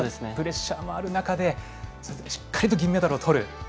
プレッシャーもある中でしっかりと銀メダルをとる。